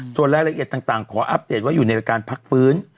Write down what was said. ส่วนรายละเอียดต่างขออัปเดตว่าอยู่ในรายการพักฟื้น